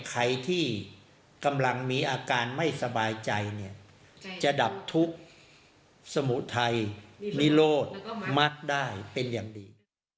ใครที่กำลังมีอาการไม่สบายใจเนี่ยจะดับทุกข์สมุนไพรนิโรธมักได้เป็นอย่างดี